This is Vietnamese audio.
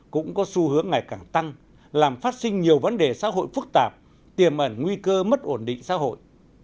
cũng có xu hướng ngày càng tăng làm phát sinh nhiều vấn đề xã hội phức tạp tiềm ẩn nguy cơ mất ổn định xã hội